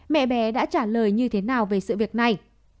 mẹ bé đã trả lời như thế nào về sự việc này